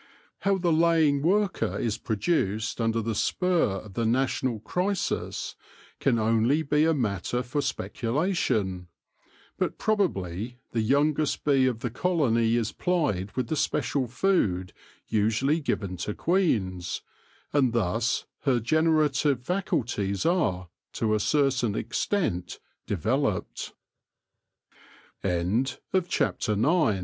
How the laying worker is produced under the spur of the national crisis can only be a matter for specula tion, but probably the youngest bee of the colony is plied with the special food usually given to queens, and thus her generative faculties are, to a certain ex